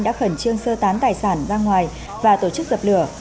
đã khẩn trương sơ tán tài sản ra ngoài và tổ chức dập lửa